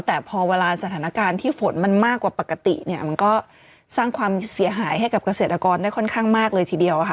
แต่พอเวลาสถานการณ์ที่ฝนมันมากกว่าปกติเนี่ยมันก็สร้างความเสียหายให้กับเกษตรกรได้ค่อนข้างมากเลยทีเดียวค่ะ